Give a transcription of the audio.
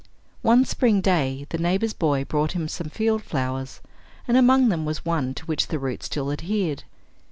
One spring day the neighbor's boy brought him some field flowers, and among them was one to which the root still adhered.